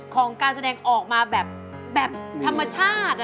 ของการแสดงออกมาแบบธรรมชาติ